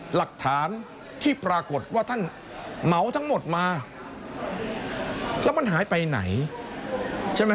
หลักฐานที่ปรากฏว่าท่านเหมาทั้งหมดมาแล้วมันหายไปไหนใช่ไหม